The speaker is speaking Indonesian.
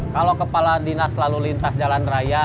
kalau kepala dinas lalu lintas jalan raya